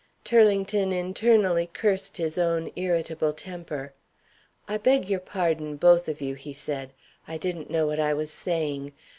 Turlington internally cursed his own irritable temper. "I beg your pardon both of you," he said. "I didn't know what I was saying.